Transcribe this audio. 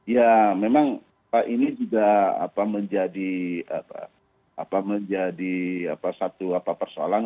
ya memang ini juga menjadi satu persoalan